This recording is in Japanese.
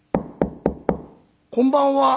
「こんばんは」。